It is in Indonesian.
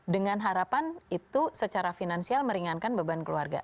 dengan harapan itu secara finansial meringankan beban keluarga